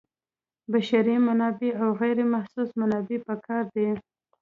بشري منابع او غیر محسوس منابع پکې دي.